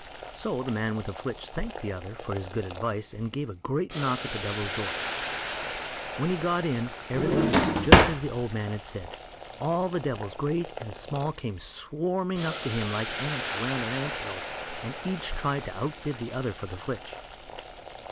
So the man with the flitch thanked the other for his good advice, and gave a great knock at the Devil's door. When he got in, everything was just as the old man had said. All the devils, great and small, came swarming up to him like ants round an anthill, and each tried to outbid the other for the flitch.